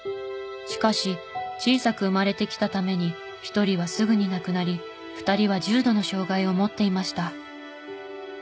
しかし小さく生まれてきたために１人はすぐに亡くなり２人は重度の障がいを持っていました。